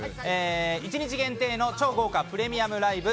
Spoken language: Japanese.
１日限定の超豪華プレミアムライブ。